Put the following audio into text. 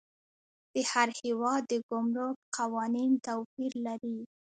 د هر هیواد د ګمرک قوانین توپیر لري.